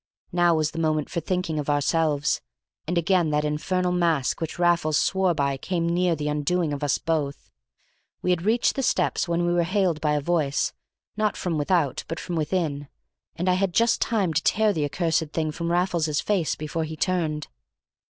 Now was the moment for thinking of ourselves, and again that infernal mask which Raffles swore by came near the undoing of us both. We had reached the steps when we were hailed by a voice, not from without but from within, and I had just time to tear the accursed thing from Raffles's face before he turned.